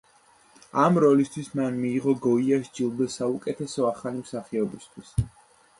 ამ როლისთვის მან მიიღო გოიას ჯილდო საუკეთესო ახალი მსახიობისთვის.